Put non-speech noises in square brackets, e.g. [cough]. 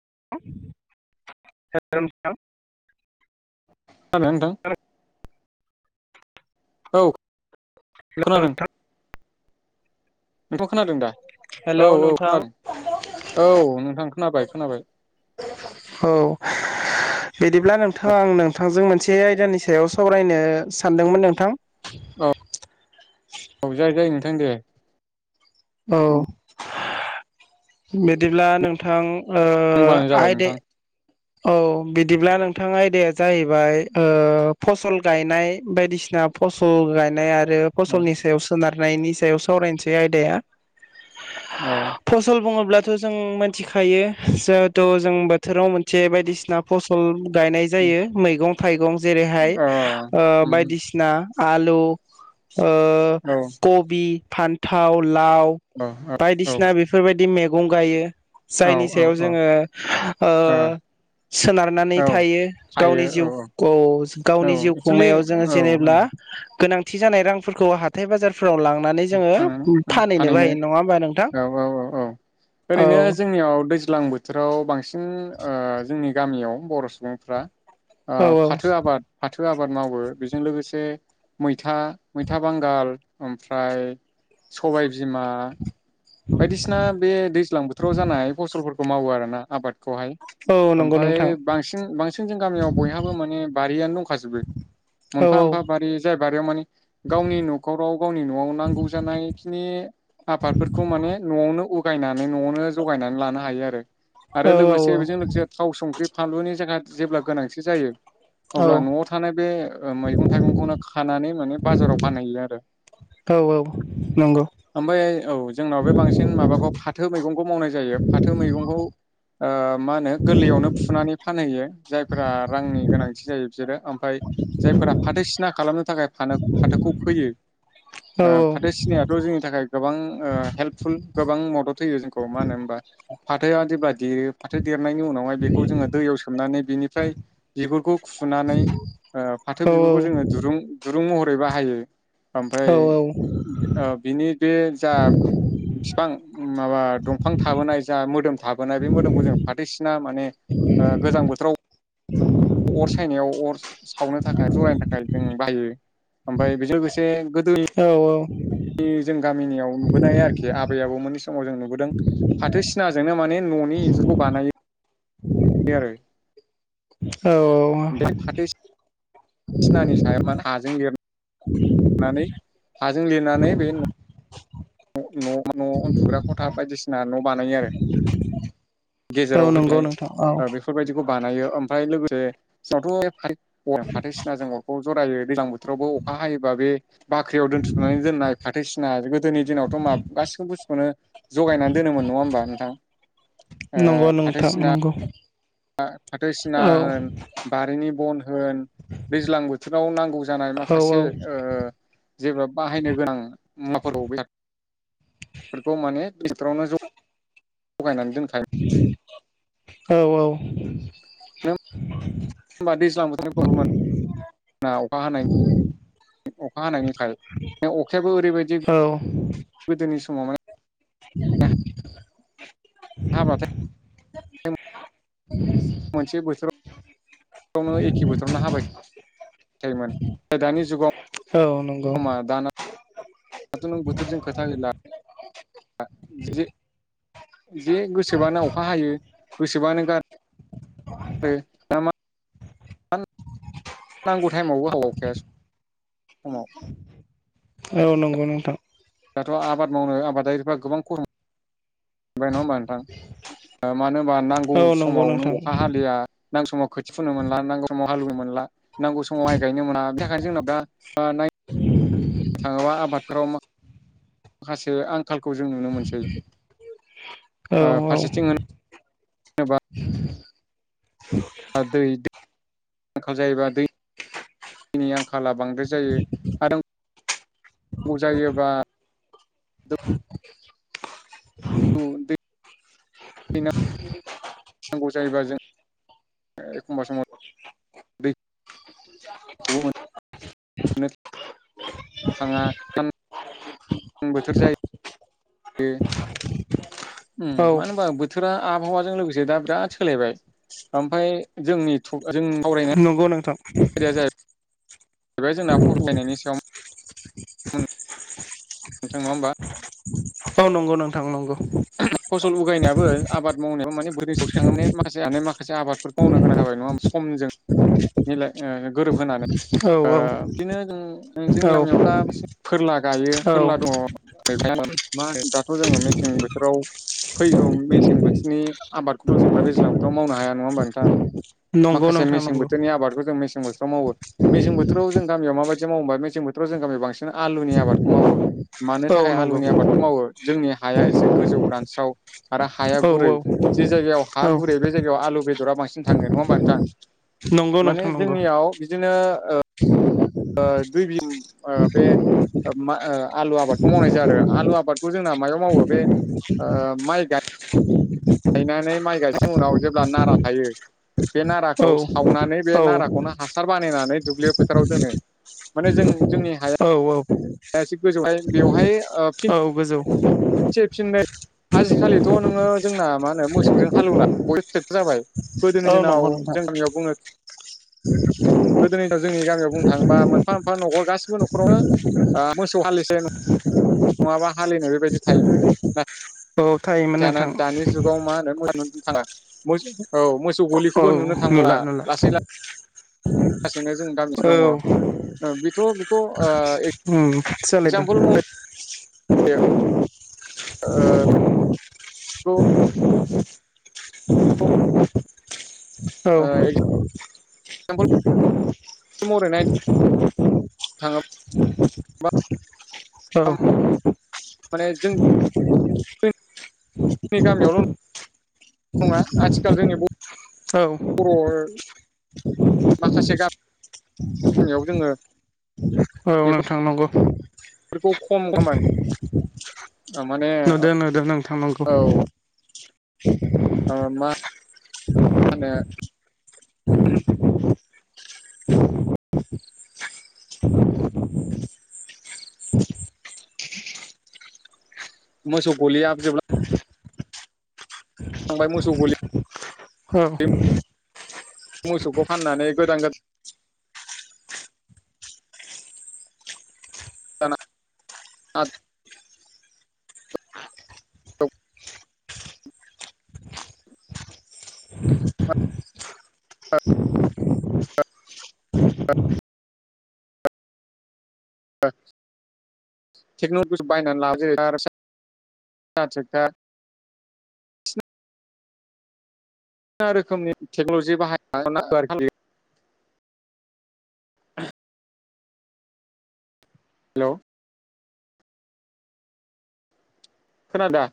[inaudible] [unintelligible] औ। [unintelligible] नोंथ' खोनादों दा। औ हेलौ औ नोंथां खोनादों औ नोंथां खोनाबाय खोनाबाय। औ बिदिब्ला नोंथाङा आं नोंथांजों मोनसे आयदानि सायाव सावरायनो सानदोंमोन नोंथां। औ औ जाय जायो नोंथां दे। औ बिदिब्ला नोंथां। ओ होनबानो जाबाय आयदे नोंथां। औ बिदिब्ला नोंथां आयदाया जाहैबाय ओ फसल गायनाय बायदिसिना फसल गायनाय आरो। आरो औ फसलनि सायाव सोनार। नायनि सायाव सावरायनोसै आयदाया औ फसल बुङोब्ला जों मोनथिखायो जेहेथ जों बोथोराव से बायदिसिना फसल गायनाय अ जायो मैगं थाइगं जेरैहाय औ ओ बायदिसिना आलु ओ औ कबि फान्थाव लाव औ बायदिसिना बेफोरबायदि मेग गंगायो। जायनि औ सायाव औ जोङो ओ सोनारनानै औ थायो हायो गावनि औ औ जिउखौ गावनि जिउग औ गावनि जिउ एक्सुलि खुंनायाव जोङो औ जेनेब्ला गोनां थि जानाय रांफोरखौ हाथाय बाजारफोर फान-फानहैनो हायो नङा होमबा नोंथां औ-औ-औ-औ औ ओरैनो जोंनियाव दैज्लां बोथोराव बांसिन ओ जोंनि गामियाव बर' सुबुंफ्रा ओ औ औ फाथो आबाद फाथो आबाद मावो बेजों लोगोसे मै मैथा-मैथा बांगाल ओमफ्र आय सबाय बिमा बायदिसिना बे दैज्लां बोथोराव जानाय फसलफोर खौ मावो आरोना आबाद खौहाय औ नंगौ नोंथां ओमफाय बांसिन-बांसिन जों गामियाव बयहाबो माने बारियानो दंखाजोबो औ मोनफा-मोनफा बारि जाय बारियाव माने गावनि न'खराव गावनि नांगौ जानायखिनि आबादफोरखौ माने न'आवनो उगायनानै न'आवनो जगायनानै लानो हायो आरो। आरो औ औ लोगोसे औ बेजों लोगोसे थाव संख्रि फानलुनि जोंहा जेब्ला गोनांथि जायो औ अब्ला न'आव थानाय बे मैगं थाइगंखौनो खानानै माने बाजाराव फानहैयो आरो। औ नंगौ ओमफ्राय औ जोंनाव बे बांसिन माबाखौ फाथो मैगंखौ मावनाय जायो फाथो मैगंखौ ओ मा होनो गोरलैयावनो फुनानै फानहैयो जायफोरा रांनि गोनांथि जायो। बिसोरो ओम फाय जायफोरा फाथो सिना खालामनो थाखाय फाथोखौ फैयो औ फाथो सिनायाथ' जोंनि थाखाय गोबां हेल्पफुल गोबां मदद होयो जोंखौ मानो होन होमबा फाथोआ जेब्ला देरो फाथो द नायनि उनावहाय बेखौ जोङो दैयाव सोमोबनानै बिनिफ्राय बिखौ फुनानै फाथो औ बिगुरखौ जोङो दुं दुरुं महरै बोरै बाहायो औ ओमफ्राय बिनि बे जा बिफां माबा दंफां थाबोनाय जा मोदोम थाबोनाय बे मोदोमखौ जों फाथैसिना माने गोजां बोथोराव [inaudible] अर सायनायाव अर सावनो थाखाय जरायनो थाखाय जों बाहायो ओमफ्राय बेजों लोगोसे गोदो औ औ जों गामिनियाव नुबोनाय आरोखि आबैाबो मोनै समाव जों नुबोदों फाथो सिनाजोंनो माने न'नि इन्जुरखौ बानायो बे आरो ओमफ्राय [inaudible] फाथो औ सिनानि सायाव हाजों लिरनानै हाजों लिरनानै बे न' न' न' न उन्दुग्रा खथा बायदिसिना न' बानायो आरो गेजेराव औ नंगौ नोंथां औ होनाय बेफोरबायदिखौ बानायो ओमफ्राय लोगोसे जाथ' [unintelligible] अ ओं फाथोसिनाजों अरखौ जरायो दैज्लां बोथोरावबो अखा हायोबा बे बाख्रियाव दोनथुमनानै दोननाय फाथो सिना ओ दोनि दिनावथ' मा गासिबो बुस्थुखौनो जगायनानै दोनोमोन नङा होमबा नोंथां नंगौ नोंथां नंगौ फा फाथो सिना औ होन बारिनि बन होन दैज्लां बोथोराव नांगौ जानाय औ माखासे ओ जेबा बाहायनो गोनां मुवाफोरखौ फोरखौ माने [unintelligible] थगायनानै दोनखायो औ औ नों होनबा दैज्लां बोथो [unintelligible] अखा हानायनि [unintelligible] अखा हानायनि [unintelligible] अखायाबो ओरैबायदि औ गोदोनि समाव माने [inaudible] हाबाथाय मोनसे बोथोरावावनो एखे बोथोरावनो हाबाय थायोमोन दानि जुगाव औ नंगौ दाथ' नों बोथोरजों खोथा गैला [unintelligible] मा नांगौ टाइमावबो गौ‌ नोंथां दाथ' आबाद मावनो आबादारिफ्रा गोबां खरम बाय नङा होमबा नोंथां मानो होनोमबा नांगौ औ नंगौ समाव नों नोंथां अखा हालिया नांगौ समाव खोथि फुनो मोनला नांगौ समाव हालुनो मोनला नांगौ समाव माइ गायनो मोना बिनि थाखायनो जोंना नायनो थाङोबा आबादफोराव माखासे आंखाल खौ जों नुनो मोनसै औ ओ औ फारसेथिं होनोबा [unintelligible] आंखाल जायोबा दैनि आंखाल खाला बांद्राय जायो आरो नांगौ जायोबा [inaudible] [inaudible] बिना नांगौ जायोबा जों एखमबा समाव दैखौबो मोननो थाङा बोथोर जायो ओम औ मानो होनबा बोथोरा आबहावाजों लोगोसे दा बिराद सोलायबाय ओमफ्राय जोंनि थ नंगौ नोंथां [unintelligible] नोंथां नङा होमबा? औ नंगौ नोंथां नंगौ फसल [unintelligible] औ औ औ [unintelligible] फैगौ मेसें बो बिनि आबादखौथ' जों दा दैज्लांवथ' मावनो हाया नङा होनबा नोंथां? नंगौ माखासे नोंथां मेसें नंगौ बोथोरनि आबादखौ जों मेसें बोथोराव मावो मेसें बोथोराव जों गामियाव माबायदि मावो होनबा मेसें बोथोरयाव जों गामियाव बांसिन बि आलुनि आबादखौ मावो मानो औ थाखाय नंगौ आलुनि आबादखौ मावो जोंनि हाया एसे गोजौ रानस्राव आरो हाया औ गुरै जि जायगायाव हा औ गुरै बे जायगायाव आलु बेदरा बांसिन थाङो नङा होमबा नोंथां नंगौ नोंथां माने नंगौ जोंनियाव बिदिनो औ ओ दुइ बि ओ बे ओ मा ओ आलु आबादखौ मावनाय जायो आरो आलु आबादखौ जोंना मायाव मावो बे ओ माइ गायनानै माइ गायनायनि उनाव जेब्ला नारा थायो बे औ नाराखौ सावनानै बे औ नाराखौनो हासार बानायनानै दुब्लियाव फोथाराव दोनो माने जों जोंनि हाया औ द गोजौहाय बेवहाय औ गोजौ फिननो आजिखालिथ' [unintelligible] नोङो जोंना मा होनो मोसौजों हालेवला बयबो ्रेक्टर जाबाय गोदोनि औ दिनाव नंगौ नोंथां जों गामियाव बुङो गोदो दिन जोंनि गामियाव बुंनो थाङोबा मोनफा मोनफा न'खर गासिबो न'खरावनो [unintelligible] मोसौ हालिसो नङाबा हालिनो बेबायदि थायोमोन औ थायोमोन नथायान नोंथां [unintelligible] दानि जुगाव मा होनो न थाङा मोस औ मोसौ औ गुलिखौबो नुनो थांला नुला नुला लासै ला लासैनो जों दामसे औ दङ ओ बेथ' बेखौ ओ उम सोलायदों। [inaudible] एगजामपोल महरै ओ [inaudible] ओ औ। [inaudible] एगजामपोल महरै नायनो थाङोबा औ माने जोंनि गामियावल' नङा आथिखाल जोंनि ब औ बर' माखासे गामि याव जोङो औ नोंथां नोंगौ। बेफोरखौ खम [unintelligible] नुदो नुदो नोंथां नांगौ। ओ मा मा होनो मोसौ गलियाबो जोबलां थांबाय मोसौ गलि औ। मोसौखौ फाननानै गोदान गोद गोदान टेक्न'लजि बाहायनानै [unintelligible] गोबां रोखोमनि टेक्न'लजि बाहायनांगौ आरोखि। हेल' खोना दा?